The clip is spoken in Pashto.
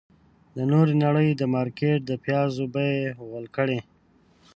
د نورې نړۍ مارکيټ د پيازو بيې غول کړې.